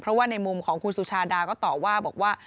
เพราะว่าในมุมของคุณสุชาดาก็ตอบว่าบอกว่า